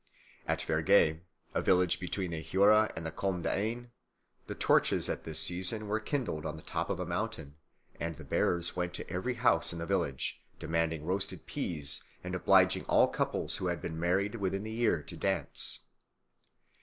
At Verges, a village between the Jura and the Combe d'Ain, the torches at this season were kindled on the top of a mountain, and the bearers went to every house in the village, demanding roasted peas and obliging all couples who had been married within the year to dance.